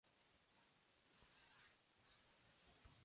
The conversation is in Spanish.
En consecuencia, el matrimonio duró menos de un año.